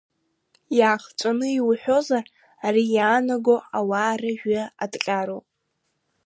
Иаахҵәаны иуҳәозар, ари иаанаго ауаа рыжәҩа аҭҟьароуп.